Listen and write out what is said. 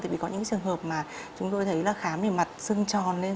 thì có những trường hợp mà chúng tôi thấy là khám thì mặt sưng tròn lên